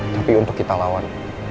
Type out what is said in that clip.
tapi untuk kita lawan